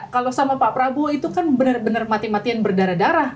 kalau sama pak prabowo itu kan benar benar mati matian berdarah darah